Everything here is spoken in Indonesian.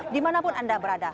dimanapun anda berada